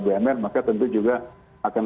bumn maka tentu juga akan